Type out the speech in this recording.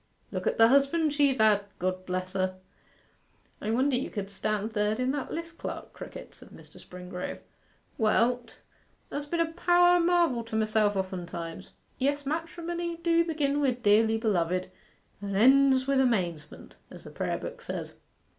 Look at the husbands she've had God bless her!' 'I wonder you could stand third in that list, Clerk Crickett,' said Mr. Springrove. 'Well, 't has been a power o' marvel to myself oftentimes. Yes, matrimony do begin wi' "Dearly beloved," and ends wi' "Amazement," as the prayer book says.